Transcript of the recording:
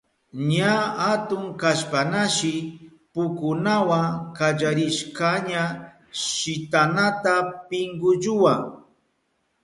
Ña atun kashpañashi pukunawa kallarishkaña shitanata pinkulluwa.